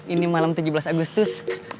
ini malam tujuh belas agustus